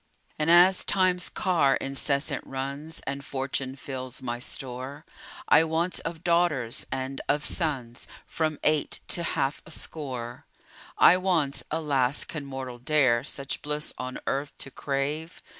And as Time's car incessant runs, And Fortune fills my store, I want of daughters and of sons From eight to half a score. I want (alas! can mortal dare Such bliss on earth to crave?)